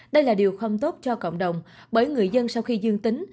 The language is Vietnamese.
đây là điều không tốt cho cộng đồng bởi người dân sau khi dương tính